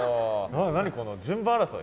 何この順番争い？